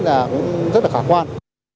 cũng rất là khả quan